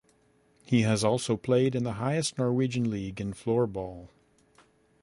He has also played in the highest Norwegian league in floorball.